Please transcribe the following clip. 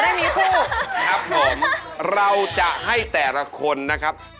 ไม่มีคู่ครับผมเราจะให้แต่ละคนนะครับ